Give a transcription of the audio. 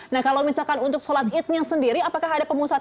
nah kalau misalkan untuk sholat idnya sendiri apakah ada pemusatan